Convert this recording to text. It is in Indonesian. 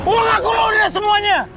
wah aku loh udah semuanya